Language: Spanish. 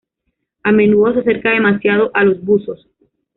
A menudo se acerca demasiado a los buzos.